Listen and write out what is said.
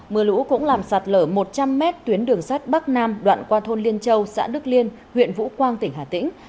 mưa lũ cũng làm sạt lở một trăm linh mét tuyến đường sắt bắc nam đoạn qua thôn liên châu xã đức liên huyện vũ quang tỉnh hà tĩnh